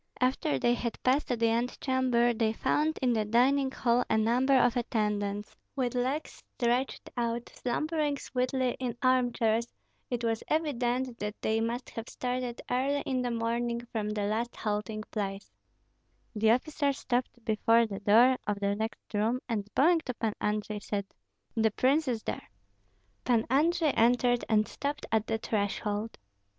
After they had passed the antechamber, they found in the dining hall a number of attendants, with legs stretched out, slumbering sweetly in arm chairs; it was evident that they must have started early in the morning from the last halting place: The officer stopped before the door of the next room, and bowing to Pan Andrei, said, "The prince is there." Pan Andrei entered and stopped at the threshold.